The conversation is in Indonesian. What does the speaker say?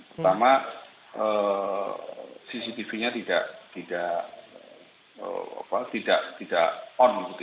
pertama cctv nya tidak on ada kerusakan cctv sehingga penyidikannya juga buru buru